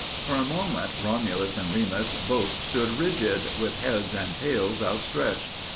For a moment Romulus and Remus both stood rigid, with heads and tails outstretched.